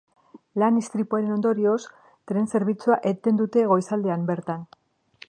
Lan istripuaren ondorioz, tren zerbitzua eten dute goizaldean bertan.